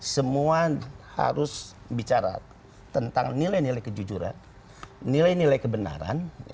semua harus bicara tentang nilai nilai kejujuran nilai nilai kebenaran